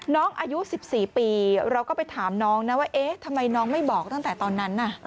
น้องอายุ๑๔ปีเราก็ไปถามน้องนะว่าเอ๊ะทำไมน้องไม่บอกตั้งแต่ตอนนั้นน่ะ